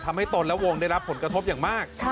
ตนและวงได้รับผลกระทบอย่างมาก